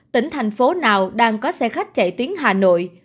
tỉnh thành phố nào đang có xe khách chạy tuyến hà nội